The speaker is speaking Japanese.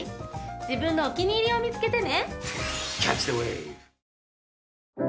自分のお気に入りを見つけてね！